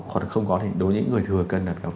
hoặc là đối với những người thừa cân